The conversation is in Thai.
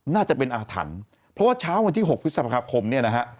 น่าจะเป็นอาถรรพ์เพราะว่าเช้าวันที่๖พฤษภาคมเนี่ยนะฮะ